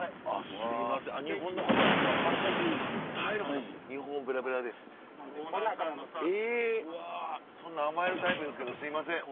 そんなん甘えるタイプですけどすいません。